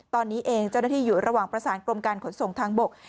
ตอนนี้เองเจ้าหน้าที่อยู่ระหว่างประสานกรมการขนส่งทางบก